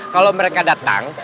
kalau mereka datang